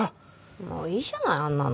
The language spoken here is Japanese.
もういいじゃないあんなの。